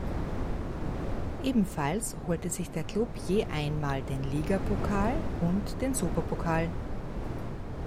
Ebenfalls holte sich der Klub je einmal den Ligapokal und den Superpokal.